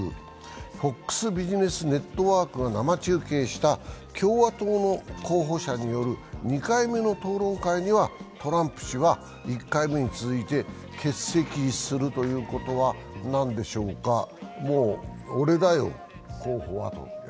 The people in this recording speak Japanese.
フォックス・ビジネスネットワークが生中継した共和党の候補者による２回目の討論会にはトランプ氏は１回目に続いて欠席するということは、なんでしょうかもう俺だよ、候補はと。